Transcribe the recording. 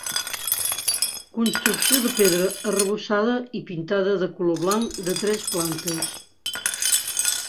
Construcció de pedra arrebossada i pintada de color blanc de tres plantes.